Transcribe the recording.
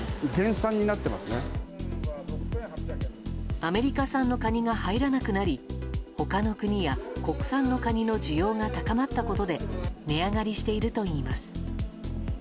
アメリカ産のカニが入らなくなり他の国や、国産のカニの需要が高まったことで値上がりしているといいます。